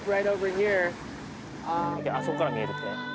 あそこから見えるって。